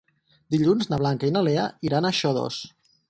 Dilluns na Blanca i na Lea iran a Xodos.